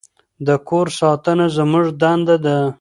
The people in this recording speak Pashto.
د کور ساتنه زموږ دنده ده.